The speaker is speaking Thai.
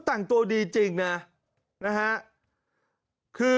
ตังตัวดีจริงค่ะ